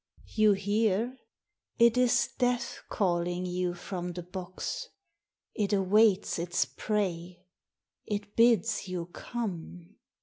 "You hear? It is death calling to you from the box. It awaits its prey. It bids you come."